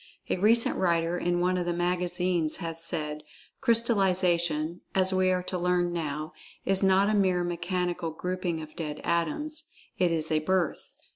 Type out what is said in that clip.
A recent writer in one of the magazines has said, "Crystallization, as we are to learn now, is not a mere mechanical grouping of dead atoms. It is a birth."